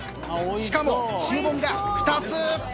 しかも注文が２つ。